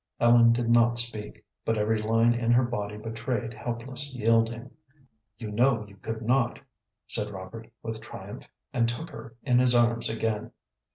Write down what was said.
Ellen did not speak, but every line in her body betrayed helpless yielding. "You know you could not," said Robert with triumph, and took her in his arms again.